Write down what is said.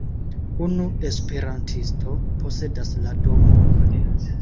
Unu esperantisto posedas la domon.